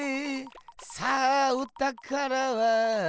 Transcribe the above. さあおたからはどこだ？